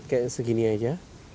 kayak segini aja